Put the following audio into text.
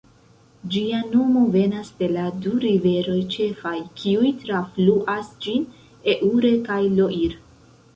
Ĝia nomo venas de la du riveroj ĉefaj, kiuj trafluas ĝin: Eure kaj Loir.